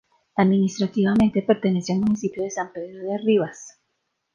Administrativamente pertenece al municipio de San Pedro de Ribas.